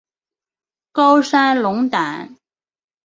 高山龙胆